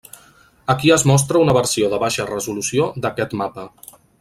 Aquí es mostra una versió de baixa resolució d'aquest mapa.